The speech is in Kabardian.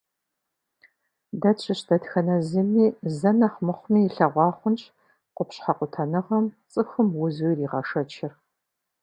Дэ тщыщ дэтхэнэ зыми зэ нэхъ мыхъуми илъэгъуа хъунщ къупщхьэ къутэныгъэм цӏыхум узу иригъэшэчыр.